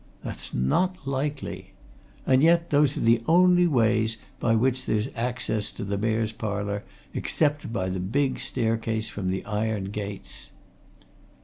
That's not likely! And yet, those are the only ways by which there's access to the Mayor's Parlour except by the big staircase from the iron gates."